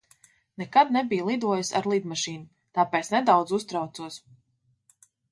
Nekad nebiju lidojusi ar lidmašīnu, tāpēc nedaudz uztraucos.